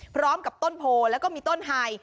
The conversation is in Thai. พร้อมกับต้นโพแล้วก็มีต้นไฮ